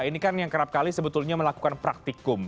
ini kan yang kerap kali sebetulnya melakukan praktikum